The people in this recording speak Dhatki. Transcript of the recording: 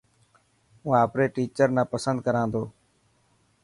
هون آپري ٽيچر نا پسند ڪران ٿو.